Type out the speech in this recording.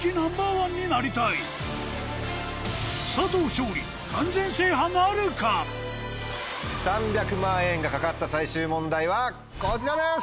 今夜３００万円が懸かった最終問題はこちらです。